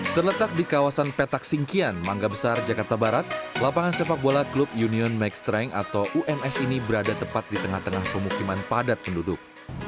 terletak di kawasan petak singkian mangga besar jakarta barat lapangan sepak bola klub union make strength atau ums ini berada tepat di tengah tengah pemukiman padat penduduk